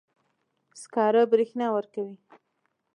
سکاره برېښنا ورکوي.